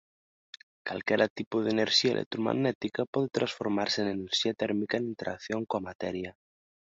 Calquera tipo de enerxía electromagnética pode transformarse en enerxía térmica en interacción coa materia.